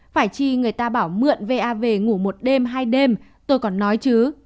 phải chi người ta bảo mượn va về ngủ một đêm hai đêm tôi còn nói chứ